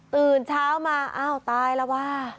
ตื่นเช้ามาอ้าวตายแล้ววะ